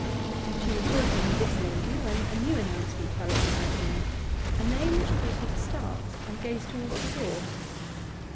She was talking with this lady when a new announcement fell upon her ear, a name which caused her to start and gaze towards the door.